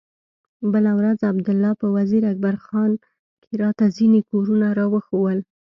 بله ورځ عبدالله په وزير اکبر خان کښې راته ځينې کورونه راوښوول.